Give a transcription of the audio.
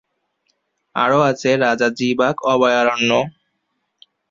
আরও আছে রাজা জি বাঘ অভয়ারণ্য।